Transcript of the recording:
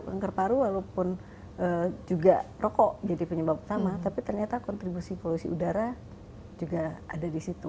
kanker paru walaupun juga rokok jadi penyebab utama tapi ternyata kontribusi polusi udara juga ada di situ